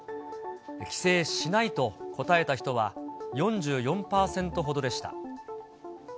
帰省しないと答えた人は４４％ほどでした。